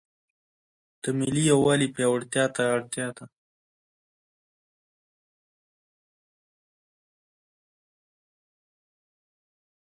د ملي یووالي پیاوړتیا ته اړتیا ده.